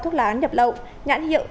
thuốc lá nhập lậu nhãn hiệu